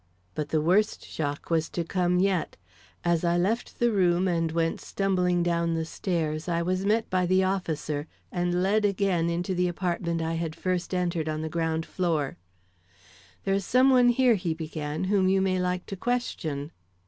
But the worst shock was to come yet. As I left the room and went stumbling down the stairs, I was met by the officer and led again into the apartment I had first entered on the ground floor. "There is some one here," he began, "whom you may like to question."